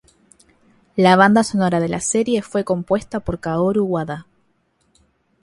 La banda sonora de la serie fue compuesta por Kaoru Wada.